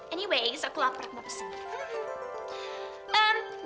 anyways aku lapar mau pesen